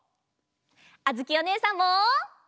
あづきおねえさんも！